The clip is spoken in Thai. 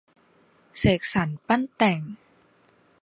เสกสรรปั้นแต่ง